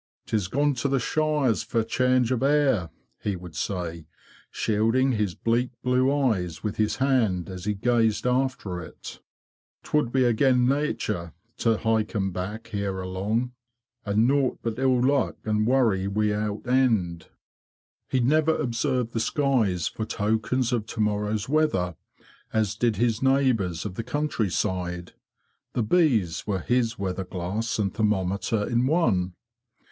""'Tis gone to the shires fer change o' air,'' he would say, shielding his bleak blue eyes with his hand, as he gazed after it. '"''Twould be agen THE BEE MASTERS COTTAGE A BEE MAN OF THE 'FORTIES 47 natur' to hike 'em back here along. An' naught but ill luck an' worry wi'out end." He never observed the skies for tokens of to morrow's weather, as did his neighbours of the countryside. The bees were his weather glass and thermometer in one.